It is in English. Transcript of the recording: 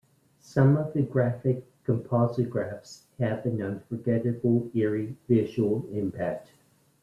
Some of the "Graphic" composographs have an unforgettable eerie visual impact.